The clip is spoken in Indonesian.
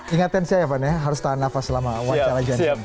ingatin saya ya harus tahan nafas selama wajah aja